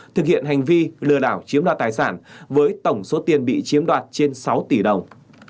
thực hiện hành vi lừa đảo chiếm đoạt tài sản với tổng số tiền bị chiếm đoạt trên sáu tỷ đồng